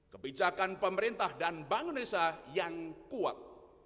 kebijakan pemerintah dan bank indonesia yang kuat